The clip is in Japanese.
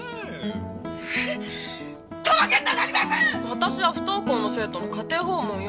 私は不登校の生徒の家庭訪問よ。